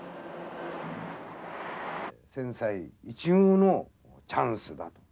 千載一遇のチャンスだと。